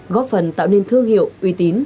góp phần tạo nên thương hiệu uy tín